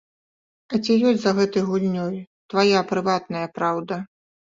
Але ці ёсць за гэтай гульнёй твая прыватная праўда?